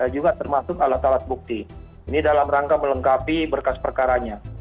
juga termasuk alat alat bukti ini dalam rangka melengkapi berkas perkaranya